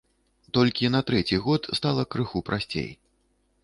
Толькі на трэці год стала крыху прасцей.